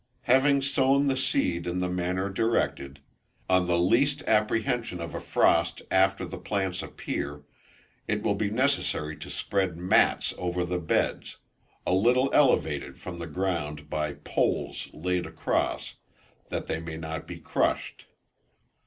Having sown the seed in the manner directed, on the least apprehension of a frost after the plants appear, it will be necessary to spread mats over the beds, a little elevated from the ground by poles laid across, that they may not be crushed.